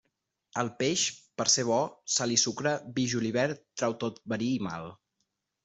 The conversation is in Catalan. El peix, per ser bo, sal i sucre, vi i julivert trau tot verí i mal.